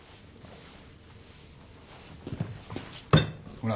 ほら。